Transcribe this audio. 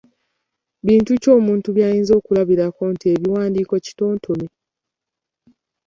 Bintu ki omuntu by’ayinza okulabirako nti ekiwandiiko Kitontome?